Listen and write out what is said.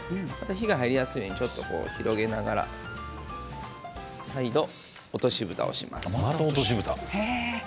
火が入りやすいように広げながら再度、落としぶたをします。